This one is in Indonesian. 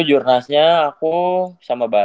jurnasnya aku sama bapaknya